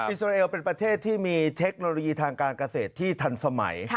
อิสราเอลเป็นประเทศที่มีเทคโนโลยีทางการเกษตรที่ทันสมัย